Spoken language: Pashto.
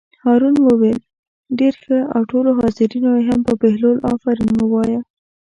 هارون وویل: ډېر ښه او ټولو حاضرینو هم په بهلول آفرین ووایه.